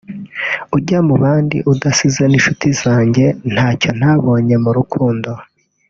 ujya mu bandi udasize n’inshuti zanjye Ntacyo ntabonye mu rukundo